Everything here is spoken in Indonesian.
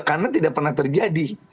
karena tidak pernah terjadi